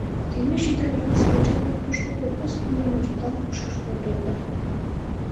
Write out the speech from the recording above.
Кеҥеж еда ялысе йоча-влак тушко колхоз имньым йӱдлан пукшаш кондылыныт.